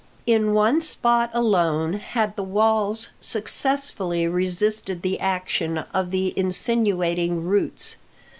In one spot alone had the walls successfully resisted the action of the insinuating roots.